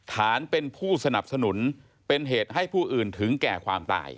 ฐานเป็นผู้สนับสนุนเป็นเหตุให้ผู้อื่นถึงแก่ความตาย